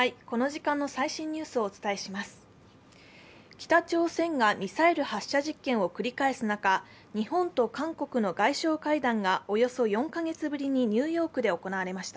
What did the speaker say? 北朝鮮がミサイル発射実験を繰り返す中、日本と韓国の外相会談がおよそ４カ月ぶりにニューヨークで行われました。